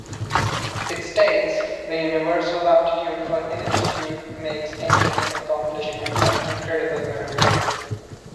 It states: The universal aptitude for ineptitude makes any human accomplishment an incredible miracle.